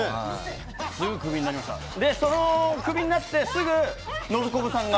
そのクビになってすぐノブコブさんが。